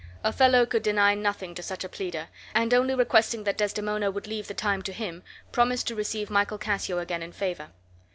Othello could deny nothing to such a pleader, and only requesting that Desdemona would leave the time to him, promised to receive Michael Cassio again in favor.